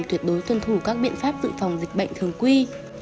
tuyệt đối tuân thủ các biện pháp dự phòng dịch bệnh thường quy